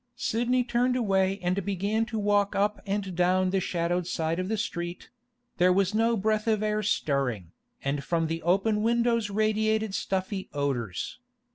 Sidney turned away and began to walk up and down the shadowed side of the street; there was no breath of air stirring, and from the open windows radiated stuffy odours.